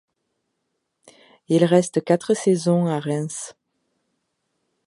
Il reste quatre saisons à Reims.